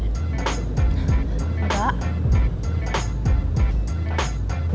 kalau saya mau beri perhatian kamu harus beri perhatian